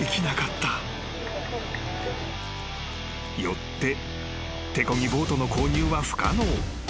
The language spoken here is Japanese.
［よって手こぎボートの購入は不可能］